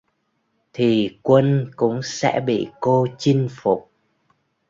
Thì quân cũng sẽ bị cô chinh phục